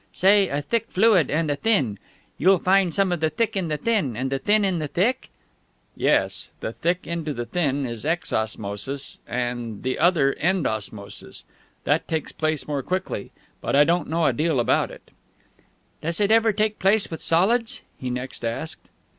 Say a thick fluid and a thin: you'll find some of the thick in the thin, and the thin in the thick?" "Yes. The thick into the thin is ex osmosis, and the other end osmosis. That takes place more quickly. But I don't know a deal about it." "Does it ever take place with solids?" he next asked.